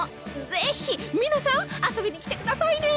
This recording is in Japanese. ぜひ皆さん遊びに来てくださいね！